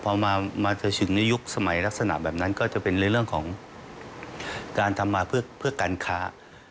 พอมาถึงในยุคสมัยลักษณะแบบนั้นก็จะเป็นในเรื่องของการทำมาเพื่อการค้า